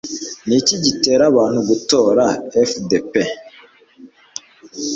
Niki gitera abantu gutora FDP